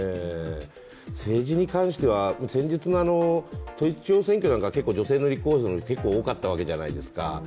政治に関しては、先日の統一地方選挙なんかは結構女性の立候補とか多かったわけじゃないですか